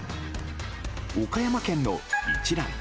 岡山県の一蘭